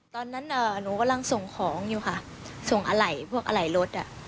ตอนนั้นหนูกำลังส่งของอยู่ค่ะส่งอะไหล่พวกอะไหล่รถอ่ะ